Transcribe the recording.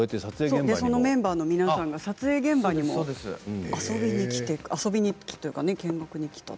メンバーの皆さんが撮影現場に遊びに来たというか見学に来たと。